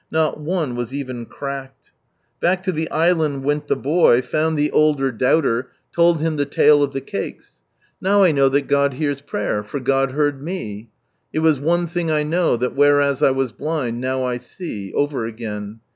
Not one was even cracked ! Back to the island went the boy, found the older doubter, told him the tale of the cakes. " Now I know that God hears prayer, for God heard me." It was " one thing I know, that whereas 1 was blind now I see," over again.